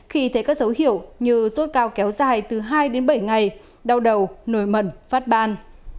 khi thấy các dấu hiệu như sốt cao kéo dài từ hai đến bảy ngày đau đầu nổi mẩn phát ban